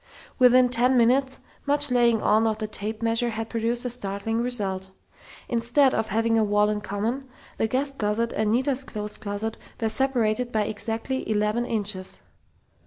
Within ten minutes, much laying on of the tape measure had produced a startling result. Instead of having a wall in common, the guest closet and Nita's clothes closet were separated by exactly eleven inches!